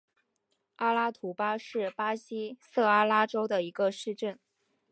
阿拉图巴是巴西塞阿拉州的一个市镇。